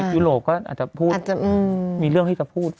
ยุโรปก็อาจจะพูดมีเรื่องที่จะพูด